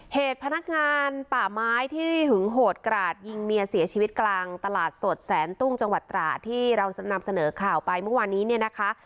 เหตุพนักงานป่าไม้ที่หึงโหดกราดยิงเมียเสียชีวิตกลางตลาดสดแสนตุ้งจังหวัดตราที่เรานำเสนอข่าวไปเมื่อวานนี้เนี่ยนะคะ